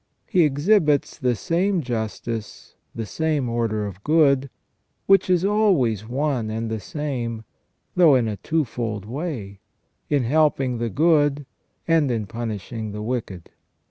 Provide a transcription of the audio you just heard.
He exhibits the same justice, the same order of good, which is always one and the same, though in a twofold way, in helping the good and in punishing the wicked.